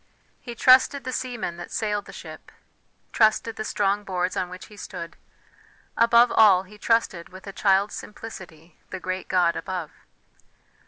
He trusted the seaman that sailed the ship trusted the strong boards on which he stood, above all he trusted with a child's simplicity the great God above.